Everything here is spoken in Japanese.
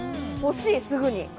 欲しい、すぐに。